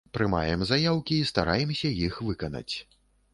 Прымаем заяўкі і стараемся іх выканаць.